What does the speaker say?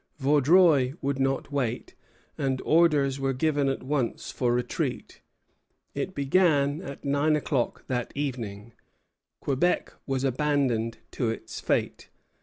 Vaudreuil would not wait, and orders were given at once for retreat. It began at nine o'clock that evening. Quebec was abandoned to its fate.